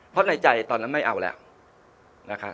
เพราะในใจตอนนั้นไม่เอาแล้วนะครับ